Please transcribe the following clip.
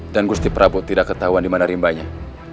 dan gusti prabu tidak ketahuan dimana rimbanya